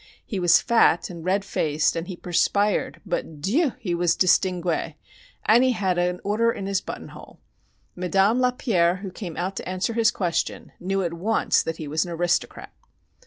He was fat and red faced, and he perspired, but Dieu! he was distingué, and he had an order in his buttonhole. Madame Lapierre, who came out to answer his question, knew at once that he was an aristocrat.